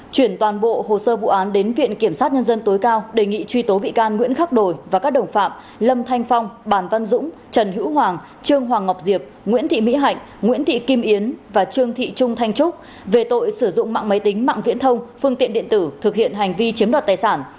chuyển toàn bộ hồ sơ vụ án đến viện kiểm sát nhân dân tối cao đề nghị truy tố bị can nguyễn khắc đồi và các đồng phạm lâm thanh phong bàn văn dũng trần hữu hoàng trương hoàng ngọc diệp nguyễn thị mỹ hạnh nguyễn thị kim yến và trương thị trung thanh trúc về tội sử dụng mạng máy tính mạng viễn thông phương tiện điện tử thực hiện hành vi chiếm đoạt tài sản